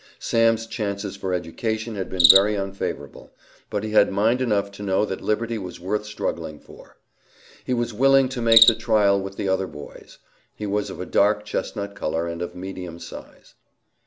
Sam's chances for education had been very unfavorable, but he had mind enough to know that liberty was worth struggling for. He was willing to make the trial with the other boys. He was of a dark chestnut color, and of medium size.